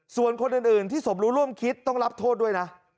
ส่วนคนอื่นที่สมรู้ร่วมคิดต้องรับโทษด้วยนะ